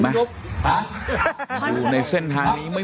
แฮปปี้เบิร์สเจทู